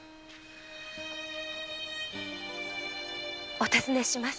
お尋ねします。